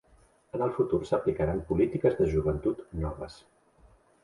En el futur s'aplicaran polítiques de joventut noves.